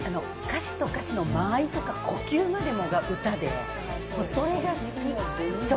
歌詞と歌詞の間合いとか呼吸までもが歌で、それが好き。